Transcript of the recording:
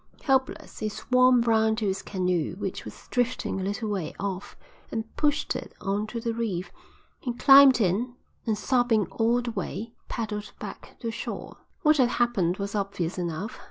Helpless, he swam round to his canoe which was drifting a little way off, and pushed it on to the reef. He climbed in and, sobbing all the way, paddled back to shore." "What had happened was obvious enough.